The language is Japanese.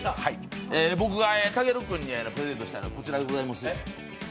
僕がたける君にプレゼントしたいのはこちらでございます。